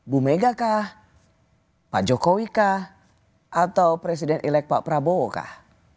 bu mega kah pak jokowi kah atau presiden elek pak prabowo kah